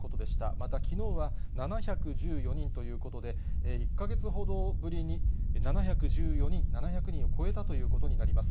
またきのうは、７１４人ということで、１か月ほどぶりに７１４人、７００人を超えたということになります。